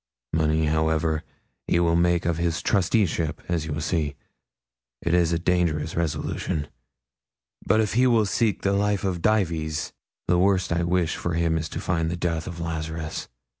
Money, however, he will make of his trusteeship, as you will see. It is a dangerous resolution. But if he will seek the life of Dives, the worst I wish him is to find the death of Lazarus.